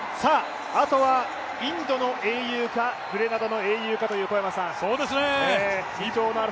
あとはインドの英雄か、グレナダの英雄かという。